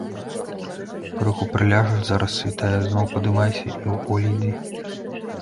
Крыху прыляжаш, зараз світае, зноў падымайся і ў поле ідзі.